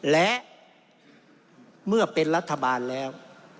และเมื่อเป็นรัฐบาลแล้ว